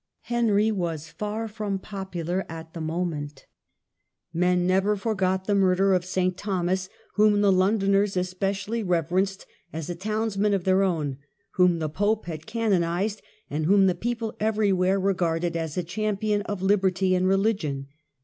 Henry was far from popular at the moment. Men never The rebellion forgot the murder of S. Thomas, whom the ®^ «»73 "74 Londoners especially reverenced as a townsman of their own, whom the pope had canonized, and whom the people everywhere regarded as a champion of liberty and religion.